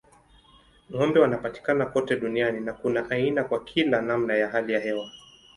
Ng'ombe wanapatikana kote duniani na kuna aina kwa kila namna ya hali ya hewa.